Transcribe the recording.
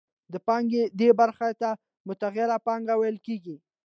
د پانګې دې برخې ته متغیره پانګه ویل کېږي